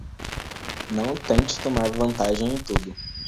Não tente tomar vantagem em tudo